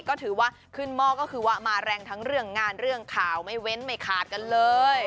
ก็ถือว่าขึ้นหม้อก็คือว่ามาแรงทั้งเรื่องงานเรื่องข่าวไม่เว้นไม่ขาดกันเลย